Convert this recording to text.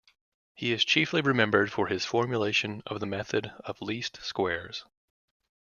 He is chiefly remembered for his formulation of the method of least squares.